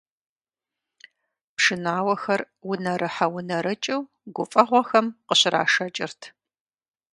Пшынауэхэр унэрыхьэ-унэрыкӀыу гуфӀэгъуэхэм къыщрашэкӀырт.